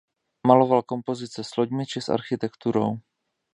Maloval kompozice s loďmi či s architekturou.